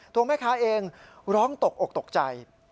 ถูกไหมค้าเองร้องตกออกตกใจ